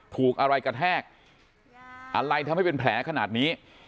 ถูกอะไรกระแทกอะไรทำให้เป็นแผลขนาดนี้